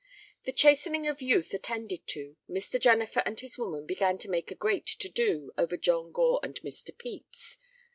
The chastening of youth attended to, Mr. Jennifer and his woman began to make a great to do over John Gore and Mr. Pepys.